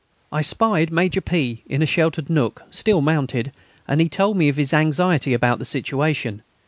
I spied Major P. in a sheltered nook, still mounted, and he told me of his anxiety about the situation.